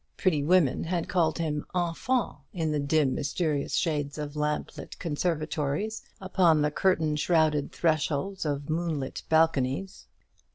Pretty women had called him "Enfant!" in the dim mysterious shades of lamplit conservatories, upon the curtain shrouded thresholds of moonlit balconies.